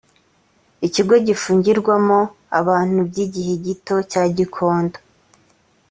ikigo gifungirwamo abantu by’igihe gito cya gikondo